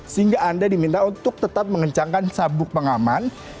sehingga anda diminta untuk tetap mengencangkan sabuk pengaman